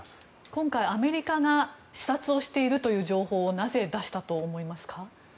今回、アメリカが視察をしているという情報をなぜ出したと思いますか？